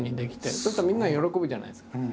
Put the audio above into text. そうするとみんなが喜ぶじゃないですか。